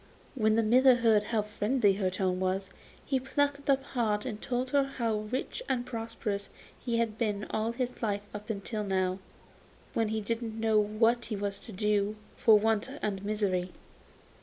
When the miller heard how friendly her tone was, he plucked up heart and told her how rich and prosperous he had been all his life up till now, when he didn't know what he was to do for want and misery.